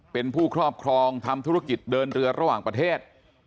เป็นผู้ครอบครองทำธุรกิจเดินเรือระหว่างประเทศ